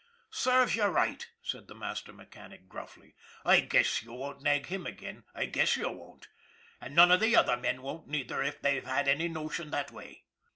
" Serves you right," said the master mechanic gruffly. " I guess you w r on't nag him again, I guess you won't. And none of the other men won't neither if they've had any notion that way."